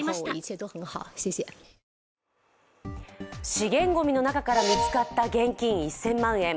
資源ごみの中から見つかった現金１０００万円。